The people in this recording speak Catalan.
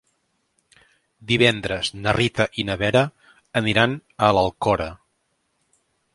Divendres na Rita i na Vera aniran a l'Alcora.